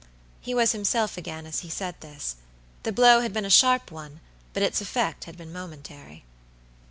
He was himself again as he said this. The blow had been a sharp one, but its effect had been momentary.